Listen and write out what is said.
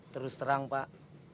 terus terang pak